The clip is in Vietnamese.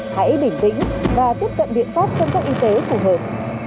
hãy bình tĩnh và tiếp cận biện pháp chăm sóc y tế phù hợp